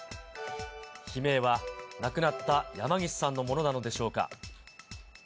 悲鳴は亡くなった山岸さんのものなのでしょうか。